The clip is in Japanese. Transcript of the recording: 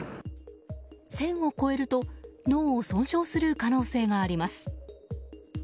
１０００を超えると脳を損傷する可能性があります。